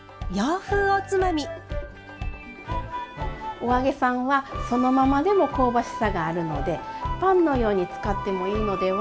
お揚げさんはそのままでも香ばしさがあるので「パンのように使ってもいいのでは？